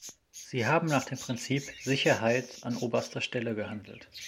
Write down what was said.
Sie haben nach dem Prinzip "Sicherheit an oberster Stelle" gehandelt.